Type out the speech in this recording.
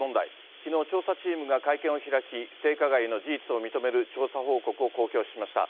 きのう調査チームが会見を開き、性加害の事実を認める調査報告を公表しました。